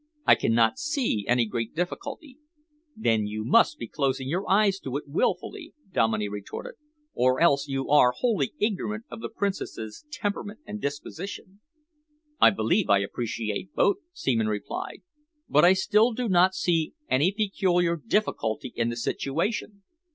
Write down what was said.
I cannot see any great difficulty." "Then you must be closing your eyes to it willfully," Dominey retorted, "or else you are wholly ignorant of the Princess's temperament and disposition." "I believe I appreciate both," Seaman replied, "but I still do not see any peculiar difficulty in the situation.